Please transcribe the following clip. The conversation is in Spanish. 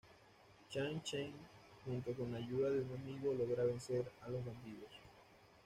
Zhang Sheng junto con la ayuda de un amigo logra vencer a los bandidos.